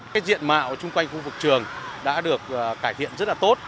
cái diện mạo chung quanh khu vực trường đã được cải thiện rất là tốt